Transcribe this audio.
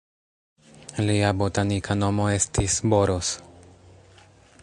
Lia botanika nomo estis "Boros".